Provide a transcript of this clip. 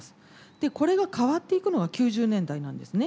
でこれが変わっていくのが９０年代なんですね。